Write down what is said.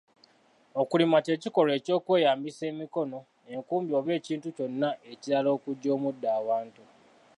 Okulima kye kikolwa eky’okweyambisa emikono, enkumbi oba ekintu kyonna ekirala okuggya omuddo awantu.